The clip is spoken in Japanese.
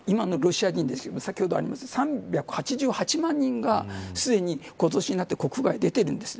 先ほどありました３８８万人がすでに今年になって国外に出てるんです。